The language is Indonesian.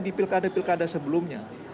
di pilkada pilkada sebelumnya